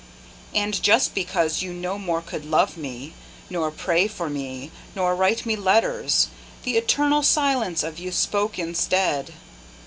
And just because you no more could love me, Nor pray for me, nor write me letters, The eternal silence of you spoke instead.